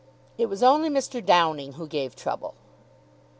It was only Mr. Downing who gave trouble.